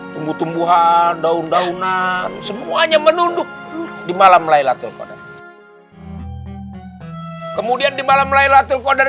tumbuh tumbuhan daun daunan semuanya menunduk di malam laylatul qadar kemudian di malam laylatul qadar